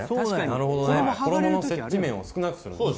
なるほどね衣の接地面を少なくするんですね